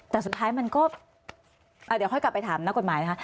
แต่สุดท้ายมันก็เดี๋ยวค่อยกลับไปถามนักกฎหมายนะคะ